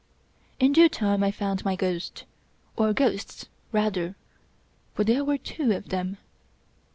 In due time I found my ghost, or ghosts rather, for there were two of them.